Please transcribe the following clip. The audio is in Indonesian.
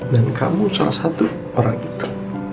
dan kamu salah satu orang itu